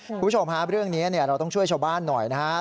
คุณผู้ชมฮะเรื่องนี้เราต้องช่วยชาวบ้านหน่อยนะครับ